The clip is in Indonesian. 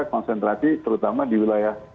konsentrasi terutama di wilayah